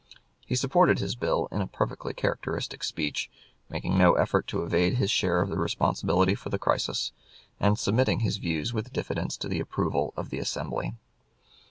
He supported his bill in a perfectly characteristic speech, making no effort to evade his share of the responsibility for the crisis, and submitting his views with diffidence to the approval of the Assembly.